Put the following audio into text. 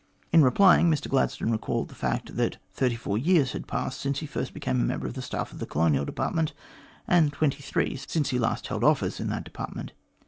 In replying, Mr Gladstone recalled the fact that thirty four years had passed since he first became a member of the staff of the Colonial Department, and twenty three since he last held office in that Department.